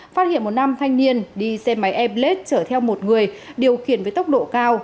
phát hiện một nam thanh niên đi xe máy airblade chở theo một người điều khiển với tốc độ cao